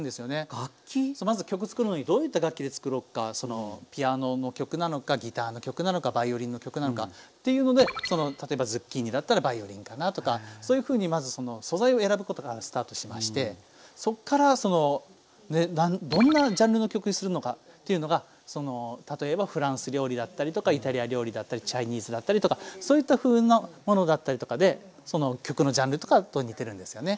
そうまず曲作るのにどういった楽器で作ろっかピアノの曲なのかギターの曲なのかバイオリンの曲なのかっていうので例えばズッキーニだったらバイオリンかなとかそういうふうにまず素材を選ぶことからスタートしましてそっからそのどんなジャンルの曲にするのかていうのが例えばフランス料理だったりとかイタリア料理だったりチャイニーズだったりとかそういったふうのものだったりとかでその曲のジャンルとかと似てるんですよね。